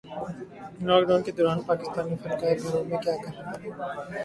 lock Dawn کے دوران پاکستانی فنکار گھروں میں کیا کررہے ہیں